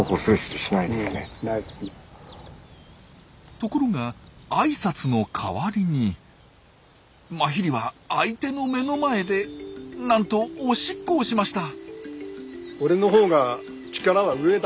ところがあいさつの代わりにマヒリは相手の目の前でなんとおしっこをしました！